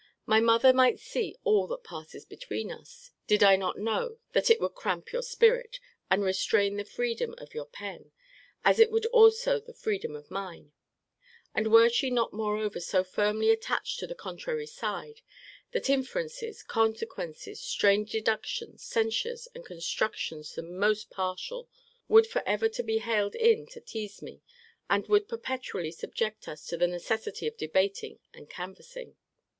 My mother might see all that passes between us, did I not know, that it would cramp your spirit, and restrain the freedom of your pen, as it would also the freedom of mine: and were she not moreover so firmly attached to the contrary side, that inferences, consequences, strained deductions, censures, and constructions the most partial, would for ever to be haled in to tease me, and would perpetually subject us to the necessity of debating and canvassing.